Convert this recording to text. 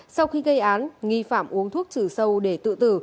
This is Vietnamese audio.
sau khi gây án nghi phạm uống thuốc trừ sâu để tự tử